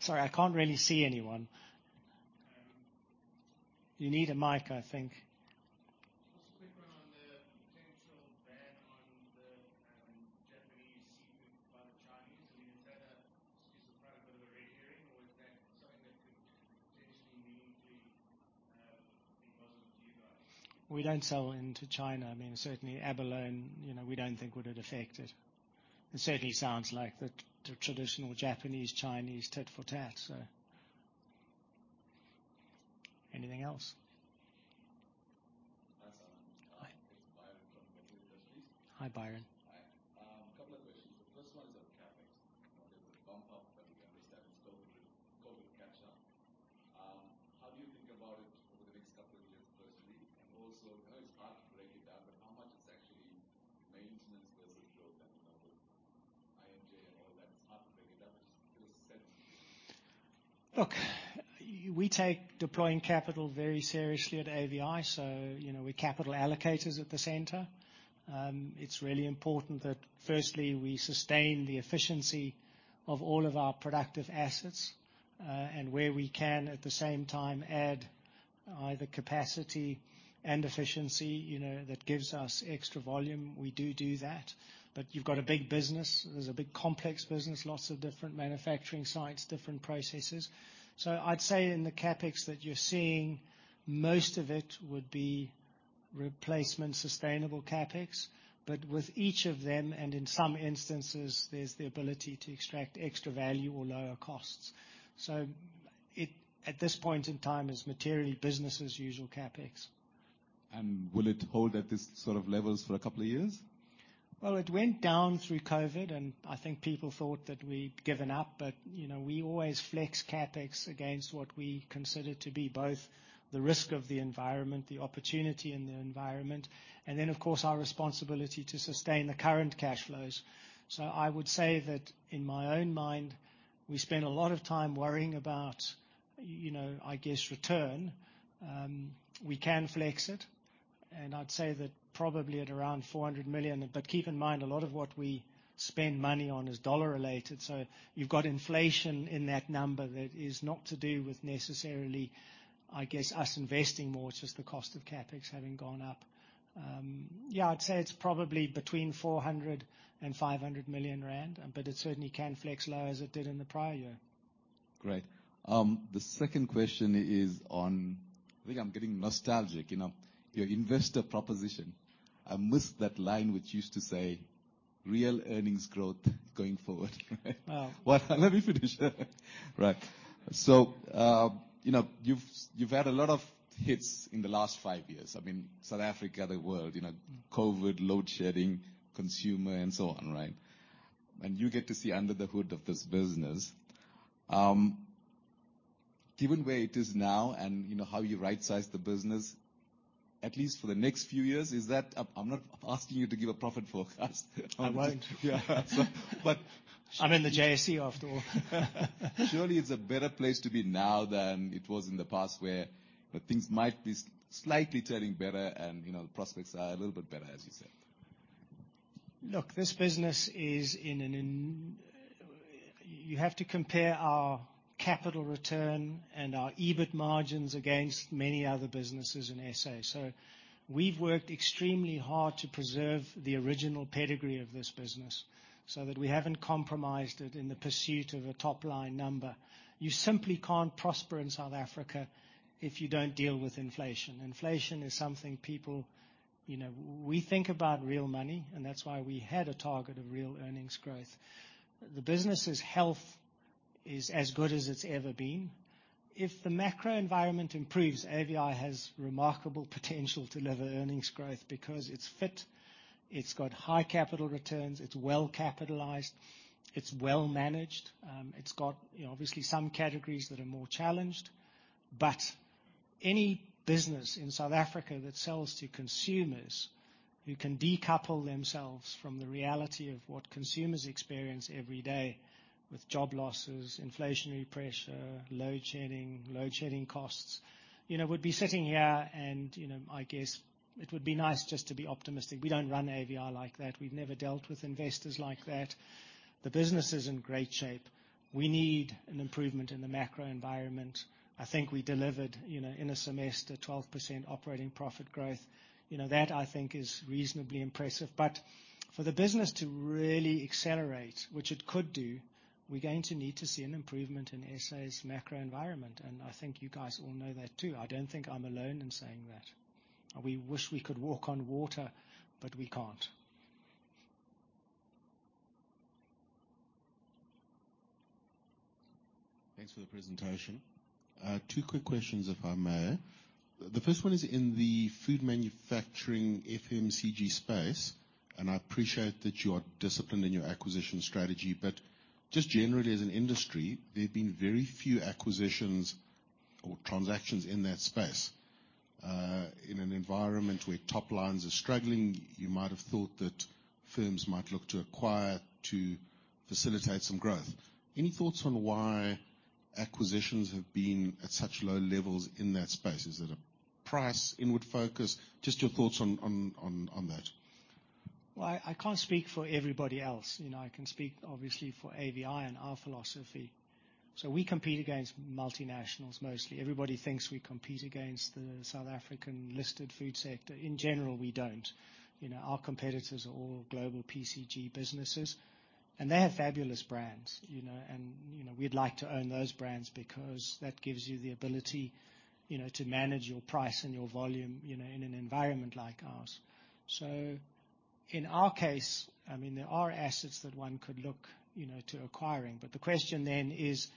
Sorry, I can't really see anyone. You need a mic, I think. Just a quick one on the potential ban on the Japanese seafood by the Chinese. I mean, is that just a product of a red herring, or is that something that could potentially meaningfully be positive to you guys? We don't sell into China. I mean, certainly abalone, you know, we don't think would it affect it. It certainly sounds like the traditional Japanese-Chinese tit-for-tat, so. Anything else? Yes. Hi. It's Byron from Investec. Hi, Byron. Hi. A couple of questions. The first one is on CapEx. You know, there was a bump up, but we can understand it's COVID, COVID catch-up. How do you think about it over the next couple of years, personally? And also, I know it's hard to break it down, but how much is actually maintenance versus growth at, you know, I&J and all that? It's hard to break it down, but just give us a sense. Look, we take deploying capital very seriously at AVI, so, you know, we're capital allocators at the center. It's really important that, firstly, we sustain the efficiency of all of our productive assets, and where we can, at the same time, add either capacity and efficiency, you know, that gives us extra volume, we do do that. But you've got a big business. It is a big, complex business, lots of different manufacturing sites, different processes. So I'd say in the CapEx that you're seeing, most of it would be replacement, sustainable CapEx. But with each of them, and in some instances, there's the ability to extract extra value or lower costs. So it, at this point in time, is materially business as usual CapEx. Will it hold at this sort of levels for a couple of years? Well, it went down through COVID, and I think people thought that we'd given up, but, you know, we always flex CapEx against what we consider to be both the risk of the environment, the opportunity in the environment, and then, of course, our responsibility to sustain the current cash flows. So I would say that in my own mind, we spend a lot of time worrying about, you know, I guess, return. We can flex it, and I'd say that probably at around 400 million. But keep in mind, a lot of what we spend money on is dollar-related, so you've got inflation in that number that is not to do with necessarily, I guess, us investing more, it's just the cost of CapEx having gone up. Yeah, I'd say it's probably between 400 million rand and 500 million rand, but it certainly can flex low as it did in the prior year. Great. The second question is on. I think I'm getting nostalgic, you know, your investor proposition. I miss that line, which used to say, "Real earnings growth going forward. Ah. Well, let me finish. Right. So, you know, you've, you've had a lot of hits in the last five years. I mean, South Africa, the world, you know, COVID, load shedding, consumer, and so on, right? And you get to see under the hood of this business. Given where it is now and, you know, how you rightsize the business, at least for the next few years, is that, I'm not asking you to give a profit forecast. I won't. Yeah. So but I'm in the JSE, after all. Surely it's a better place to be now than it was in the past, where things might be slightly turning better and, you know, the prospects are a little bit better, as you said. Look, this business is. You have to compare our capital return and our EBIT margins against many other businesses in SA. So we've worked extremely hard to preserve the original pedigree of this business so that we haven't compromised it in the pursuit of a top-line number. You simply can't prosper in South Africa if you don't deal with inflation. Inflation is something people, you know, we think about real money, and that's why we had a target of real earnings growth. The business's health is as good as it's ever been. If the macro environment improves, AVI has remarkable potential to deliver earnings growth because it's fit, it's got high capital returns, it's well capitalized, it's well managed. It's got, you know, obviously some categories that are more challenged. But any business in South Africa that sells to consumers, who can decouple themselves from the reality of what consumers experience every day with job losses, inflationary pressure, load shedding, load shedding costs, you know, would be sitting here, and, you know, I guess it would be nice just to be optimistic. We don't run AVI like that. We've never dealt with investors like that. The business is in great shape. We need an improvement in the macro environment. I think we delivered, you know, in a semester, 12% operating profit growth. You know, that, I think, is reasonably impressive. But for the business to really accelerate, which it could do, we're going to need to see an improvement in SA's macro environment, and I think you guys all know that, too. I don't think I'm alone in saying that. We wish we could walk on water, but we can't. Thanks for the presentation. Two quick questions, if I may. The first one is in the food manufacturing FMCG space, and I appreciate that you are disciplined in your acquisition strategy, but just generally as an industry, there have been very few acquisitions or transactions in that space. In an environment where top lines are struggling, you might have thought that firms might look to acquire to facilitate some growth. Any thoughts on why acquisitions have been at such low levels in that space? Is it a price inward focus? Just your thoughts on that. Well, I can't speak for everybody else. You know, I can speak obviously for AVI and our philosophy. So we compete against multinationals, mostly. Everybody thinks we compete against the South African listed food sector. In general, we don't. You know, our competitors are all global FMCG businesses, and they have fabulous brands, you know, and, you know, we'd like to own those brands because that gives you the ability, you know, to manage your price and your volume, you know, in an environment like ours. So in our case, I mean, there are assets that one could look, you know, to acquiring, but the question then is,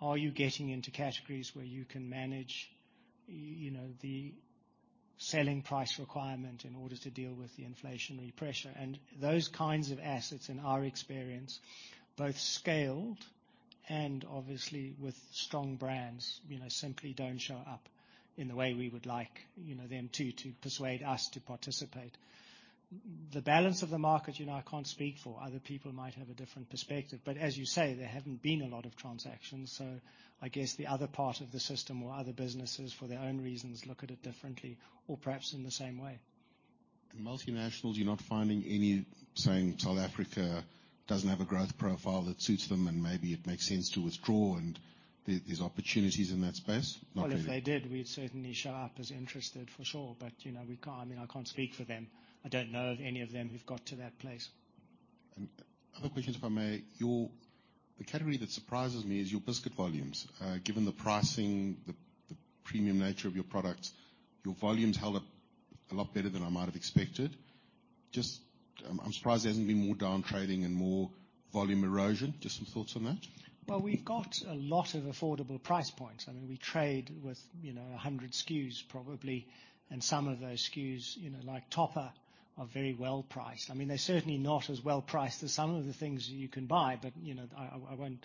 are you getting into categories where you can manage, you know, the selling price requirement in order to deal with the inflationary pressure? And those kinds of assets, in our experience, both scaled and obviously with strong brands, you know, simply don't show up in the way we would like, you know, them to, to persuade us to participate. The balance of the market, you know, I can't speak for. Other people might have a different perspective, but as you say, there haven't been a lot of transactions. So I guess the other part of the system or other businesses, for their own reasons, look at it differently, or perhaps in the same way. The multinationals, you're not finding any saying South Africa doesn't have a growth profile that suits them, and maybe it makes sense to withdraw, and there, there's opportunities in that space? Not really. Well, if they did, we'd certainly show up as interested, for sure. But, you know, we can't. I mean, I can't speak for them. I don't know of any of them who've got to that place. Another question, if I may. The category that surprises me is your biscuit volumes. Given the pricing, the premium nature of your products, your volumes held up a lot better than I might have expected. Just, I'm surprised there hasn't been more down trading and more volume erosion. Just some thoughts on that. Well, we've got a lot of affordable price points. I mean, we trade with, you know, 100 SKUs, probably, and some of those SKUs, you know, like Topper, are very well priced. I mean, they're certainly not as well priced as some of the things you can buy, but, you know I won't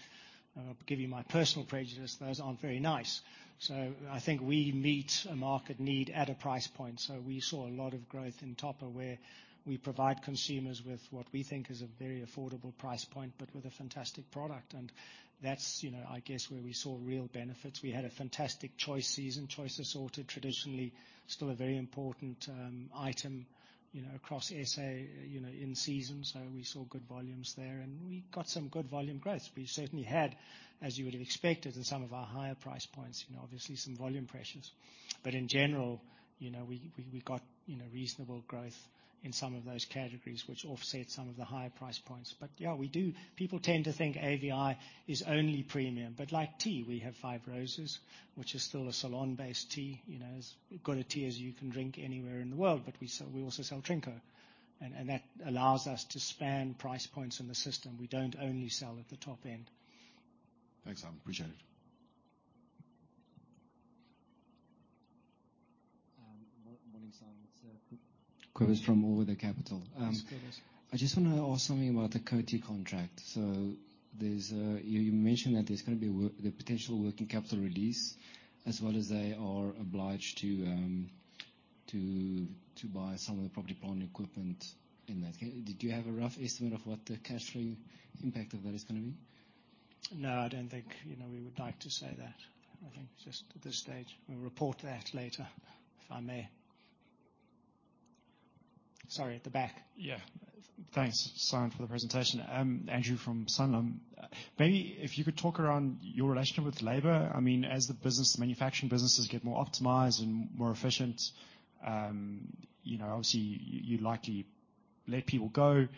give you my personal prejudice. Those aren't very nice. So I think we meet a market need at a price point. So we saw a lot of growth in Topper, where we provide consumers with what we think is a very affordable price point, but with a fantastic product. And that's, you know, I guess, where we saw real benefits. We had a fantastic choice season. Choice Assorted, traditionally, still a very important item, you know, across SA, you know, in season. So we saw good volumes there, and we got some good volume growth. We certainly had, as you would have expected, in some of our higher price points, you know, obviously some volume pressures. But in general, you know, we got, you know, reasonable growth in some of those categories, which offset some of the higher price points. But, yeah, we do... People tend to think AVI is only premium, but like tea, we have Five Roses, which is still a Ceylon-based tea. You know, as good a tea as you can drink anywhere in the world, but we also sell Trinco, and that allows us to span price points in the system. We don't only sell at the top end. Thanks, Simon. Appreciate it. Morning, Simon. It's Cobus from All Weather Capital. Yes, Cobus. I just want to ask something about the Coty contract. So there's a you mentioned that there's going to be work, the potential working capital release, as well as they are obliged to buy some of the property, plant, and equipment in that. Did you have a rough estimate of what the cash flow impact of that is going to be? No, I don't think, you know, we would like to say that. I think just at this stage, we'll report that later, if I may. Sorry, at the back. Yeah. Thanks, Simon, for the presentation. I'm Andrew from Sanlam. Maybe if you could talk around your relationship with labor. I mean, as the business, manufacturing businesses get more optimized and more efficient, you know, obviously, you'd likely let people go.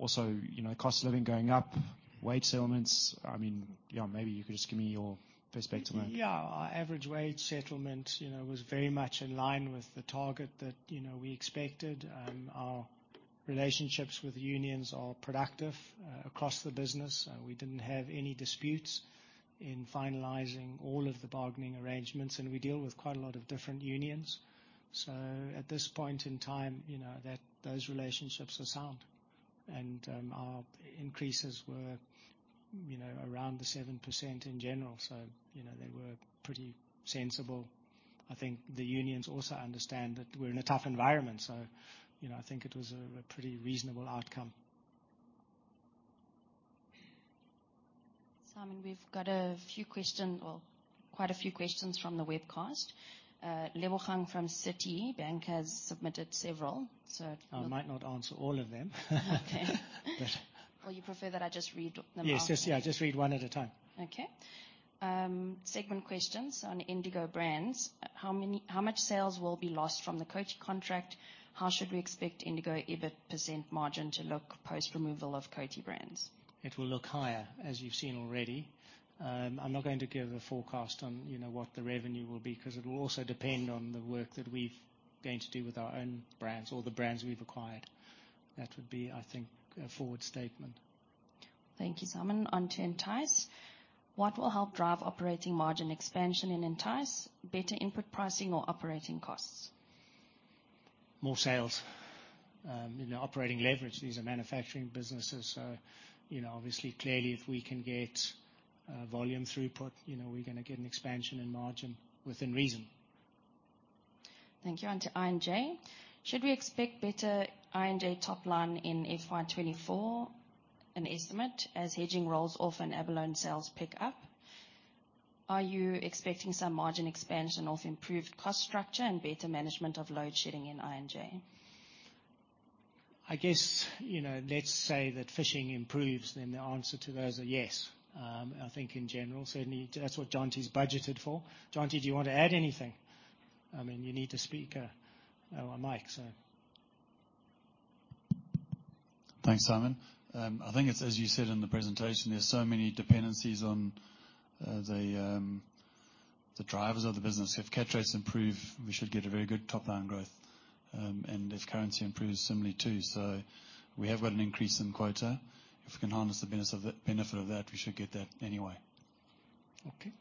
Also, you know, cost of living going up, wage settlements. I mean, yeah, maybe you could just give me your perspective on it. Yeah. Our average wage settlement, you know, was very much in line with the target that, you know, we expected. Our relationships with unions are productive across the business. We didn't have any disputes in finalizing all of the bargaining arrangements, and we deal with quite a lot of different unions. So at this point in time, you know, that those relationships are sound. And our increases were, you know, around the 7% in general, so, you know, they were pretty sensible. I think the unions also understand that we're in a tough environment, so, you know, I think it was a pretty reasonable outcome. Simon, we've got a few questions, or quite a few questions from the webcast. Lebogang from Citibank has submitted several, so I might not answer all of them. Okay. Well, you prefer that I just read them out? Yes, yes, yeah, just read one at a time. Okay. Segment questions on Indigo Brands. How much sales will be lost from the Coty contract? How should we expect Indigo EBIT % margin to look post-removal of Coty brands? It will look higher, as you've seen already. I'm not going to give a forecast on, you know, what the revenue will be, because it will also depend on the work that we've going to do with our own brands or the brands we've acquired. That would be, I think, a forward statement. Thank you, Simon. On to Entyce. What will help drive operating margin expansion in Entyce? Better input pricing or operating costs? More sales. You know, operating leverage, these are manufacturing businesses, so, you know, obviously, clearly, if we can get volume throughput, you know, we're going to get an expansion in margin within reason. Thank you. On to I&J. Should we expect better I&J top line in FY 2024, an estimate, as hedging rolls off and abalone sales pick up? Are you expecting some margin expansion of improved cost structure and better management of load shedding in I&J? I guess, you know, let's say that fishing improves, then the answer to those are yes. I think in general, certainly that's what Jonty's budgeted for. Justin, do you want to add anything? I mean, you need to speak on mic, so. Thanks, Simon. I think it's as you said in the presentation, there's so many dependencies on the drivers of the business. If catch rates improve, we should get a very good top line growth, and if currency improves, similarly too. So we have got an increase in quota. If we can harness the benefit of that, we should get that anyway. Okay.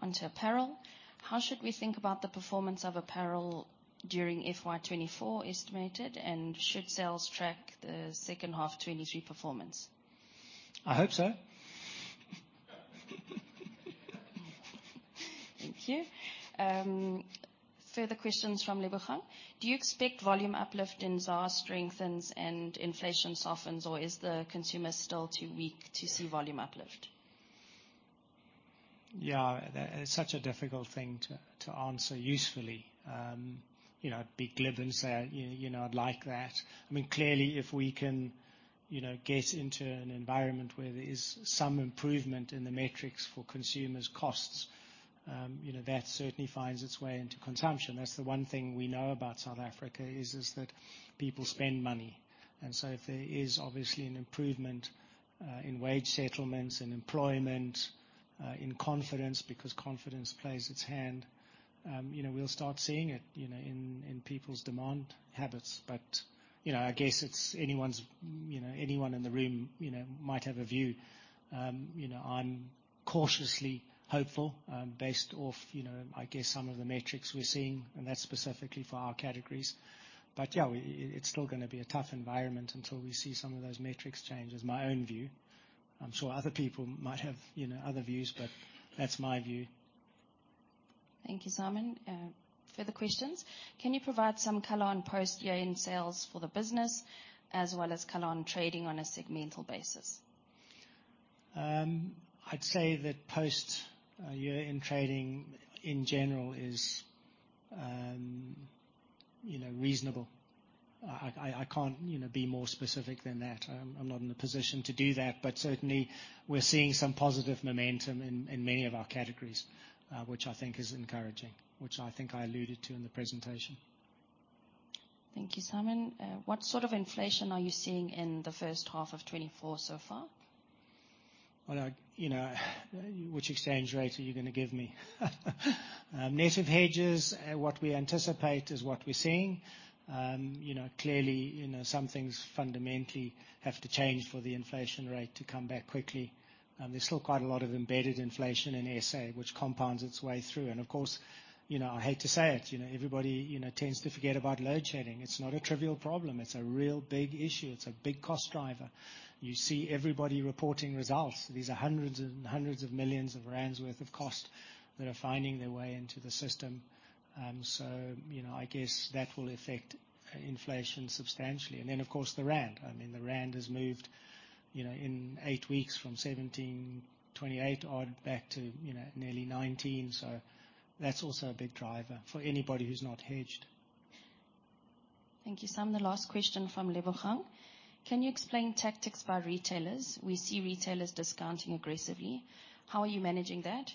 Onto apparel. How should we think about the performance of apparel during FY 2024 estimated, and should sales track the second half 2023 performance? I hope so. Thank you. Further questions from Lebogang. Do you expect volume uplift in ZAR strengthens and inflation softens, or is the consumer still too weak to see volume uplift? Yeah, that is such a difficult thing to, to answer usefully. You know, I'd be glib and say, you know, I'd like that. I mean, clearly, if we can, you know, get into an environment where there is some improvement in the metrics for consumers' costs, you know, that certainly finds its way into consumption. That's the one thing we know about South Africa, is, is that people spend money. And so if there is obviously an improvement in wage settlements and employment in confidence, because confidence plays its hand, you know, we'll start seeing it, you know, in, in people's demand habits. But, you know, I guess it's anyone's you know, anyone in the room, you know, might have a view. You know, I'm cautiously hopeful, based off, you know, I guess, some of the metrics we're seeing, and that's specifically for our categories. But yeah, it's still gonna be a tough environment until we see some of those metrics change, is my own view. I'm sure other people might have, you know, other views, but that's my view. Thank you, Simon. Further questions: Can you provide some color on post-year end sales for the business, as well as color on trading on a segmental basis? I'd say that post year end trading in general is, you know, reasonable. I can't, you know, be more specific than that. I'm not in a position to do that, but certainly we're seeing some positive momentum in many of our categories, which I think is encouraging, which I think I alluded to in the presentation. Thank you, Simon. What sort of inflation are you seeing in the first half of 2024 so far? Well, you know, which exchange rate are you gonna give me? Net of hedges, what we anticipate is what we're seeing. You know, clearly, you know, some things fundamentally have to change for the inflation rate to come back quickly. There's still quite a lot of embedded inflation in SA, which compounds its way through. And of course, you know, I hate to say it, you know, everybody, you know, tends to forget about load shedding. It's not a trivial problem. It's a real big issue. It's a big cost driver. You see everybody reporting results. These are hundreds and hundreds of millions of ZAR worth of cost that are finding their way into the system. So, you know, I guess that will affect inflation substantially. And then, of course, the rand. I mean, the rand has moved, you know, in 8 weeks from 17.28 odd back to, you know, nearly 19. So that's also a big driver for anybody who's not hedged. Thank you, Simon. The last question from Lebogang: Can you explain tactics by retailers? We see retailers discounting aggressively. How are you managing that?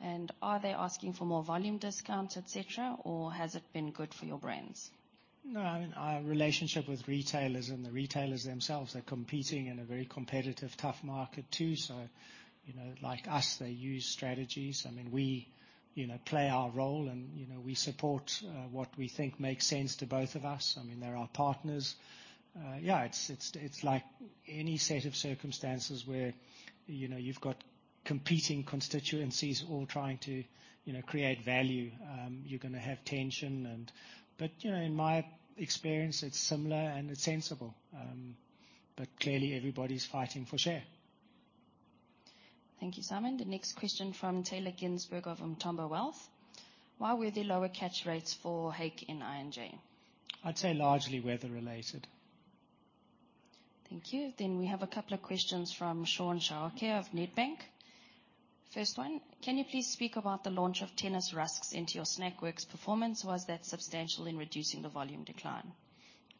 And are they asking for more volume discounts, et cetera, or has it been good for your brands? No, I mean, our relationship with retailers and the retailers themselves are competing in a very competitive, tough market too. So, you know, like us, they use strategies. I mean, we, you know, play our role, and, you know, we support what we think makes sense to both of us. I mean, they're our partners. Yeah, it's like any set of circumstances where, you know, you've got competing constituencies all trying to, you know, create value. You're gonna have tension and... But, you know, in my experience, it's similar and it's sensible. But clearly, everybody's fighting for share. Thank you, Simon. The next question from Taylor Ginsburg of Ntombo Wealth: Why were there lower catch rates for hake in I&J? I'd say largely weather related. Thank you. Then we have a couple of questions from Shaun Khan of Nedbank. First one, can you please speak about the launch of Tennis Rusks into your Snackworks performance? Was that substantial in reducing the volume decline?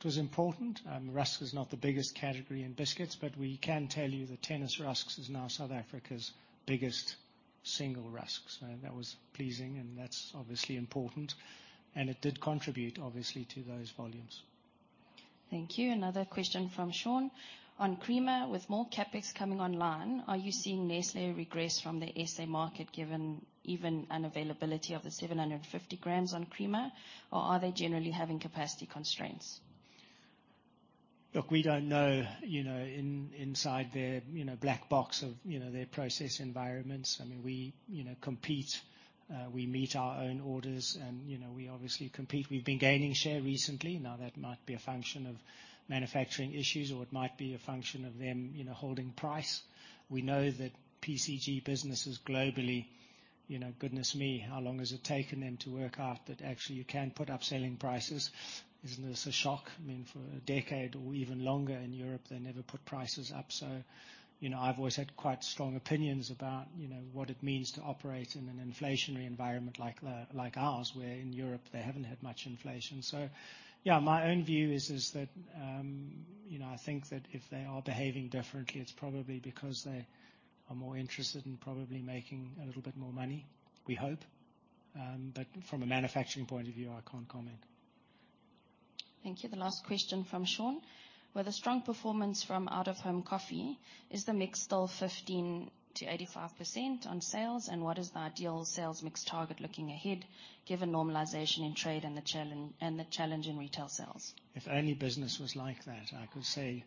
It was important. Rusk is not the biggest category in biscuits, but we can tell you that Tennis Rusks is now South Africa's biggest single rusk. So that was pleasing, and that's obviously important, and it did contribute obviously to those volumes. Thank you. Another question from Sean. On Creamer, with more CapEx coming online, are you seeing Nestlé regress from the SA market, given even unavailability of the 750 grams on Creamer, or are they generally having capacity constraints? Look, we don't know, you know, inside their, you know, black box of, you know, their process environments. I mean, we, you know, compete, we meet our own orders, and, you know, we obviously compete. We've been gaining share recently. Now, that might be a function of manufacturing issues, or it might be a function of them, you know, holding price. We know that FMCG businesses globally... You know, goodness me, how long has it taken them to work out that actually you can put up selling prices? Isn't this a shock? I mean, for a decade or even longer in Europe, they never put prices up. So, you know, I've always had quite strong opinions about, you know, what it means to operate in an inflationary environment like the, like ours, where in Europe, they haven't had much inflation. So yeah, my own view is that, you know, I think that if they are behaving differently, it's probably because they are more interested in probably making a little bit more money, we hope. But from a manufacturing point of view, I can't comment. Thank you. The last question from Sean: With a strong performance from out-of-home coffee, is the mix still 15%-85% on sales? And what is the ideal sales mix target looking ahead, given normalization in trade and the challenge, and the challenge in retail sales? If only business was like that, I could say,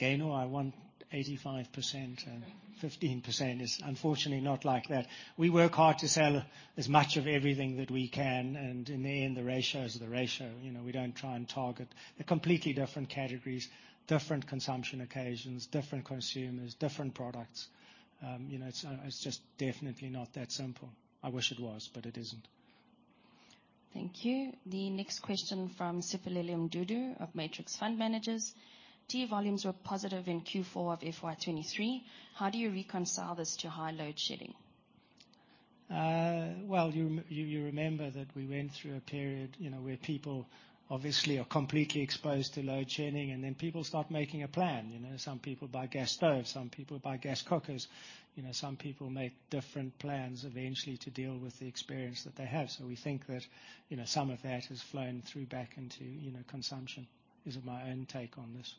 "Gaino, I want 85% and 15%." It's unfortunately not like that. We work hard to sell as much of everything that we can, and in the end, the ratio is the ratio. You know, we don't try and target the completely different categories, different consumption occasions, different consumers, different products. You know, it's just definitely not that simple. I wish it was, but it isn't. Thank you. The next question from Siphelele Mdudu of Matrix Fund Managers. Tea volumes were positive in Q4 of FY 2023. How do you reconcile this to high load shedding? Well, you, you remember that we went through a period, you know, where people obviously are completely exposed to load shedding, and then people start making a plan. You know, some people buy gas stoves, some people buy gas cookers. You know, some people make different plans eventually to deal with the experience that they have. So we think that, you know, some of that has flown through back into, you know, consumption, is my own take on this.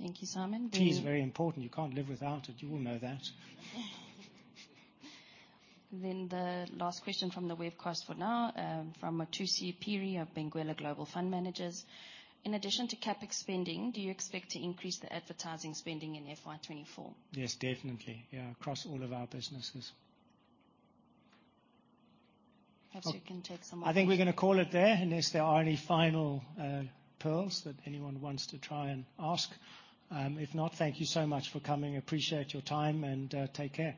Thank you, Simon. Tea is very important. You can't live without it. You all know that. Then the last question from the webcast for now, from Mthusi Phiri of Benguela Global Fund Managers. In addition to CapEx spending, do you expect to increase the advertising spending in FY24? Yes, definitely. Yeah, across all of our businesses. Perhaps you can take some more I think we're gonna call it there, unless there are any final pearls that anyone wants to try and ask. If not, thank you so much for coming. Appreciate your time, and take care.